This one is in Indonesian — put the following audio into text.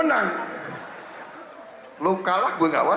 kepada inspirasi perusahaan yang adventur denganmu